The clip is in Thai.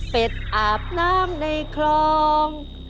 เป็ดอาบน้ำในคลอง